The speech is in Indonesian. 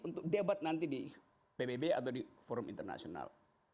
untuk debat nanti di pbb atau di forum internasional